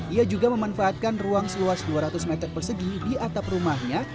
ia juga memanfaatkan ruang seluas dua ratus meter persegi di atap rumahnya